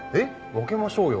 分けましょうよ。